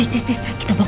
ini masih marah sama saya